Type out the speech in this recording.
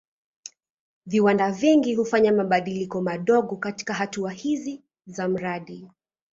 Viwanda vingi hufanya mabadiliko madogo katika hatua hizi za mradi.